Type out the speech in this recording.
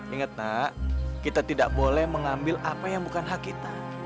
ingat nak kita tidak boleh mengambil apa yang bukan hak kita